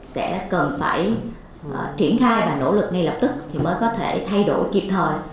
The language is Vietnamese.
sẽ cần phải triển khai và nỗ lực ngay lập tức thì mới có thể thay đổi kịp thời